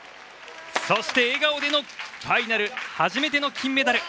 そして、笑顔でのファイナル初めての金メダル。